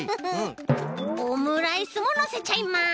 オムライスものせちゃいます。